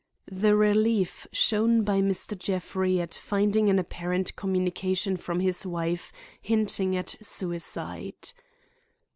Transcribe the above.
The relief shown by Mr. Jeffrey at finding an apparent communication from his wife hinting at suicide.